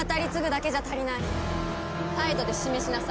態度で示しなさい。